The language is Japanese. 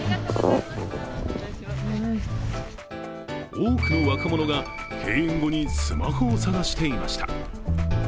多くの若者が閉園後にスマホを探していました。